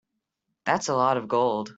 That's a lot of gold.